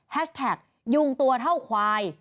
แท็กยุงตัวเท่าควาย